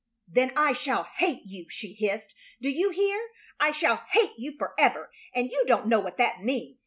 "Then I shall hate you!" she hissed. "Do you hear? I shall hate you forever, and you don't know what that means.